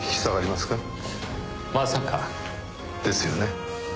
まさか。ですよね。